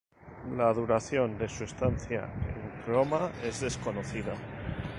La duración de su estancia en Roma es desconocida.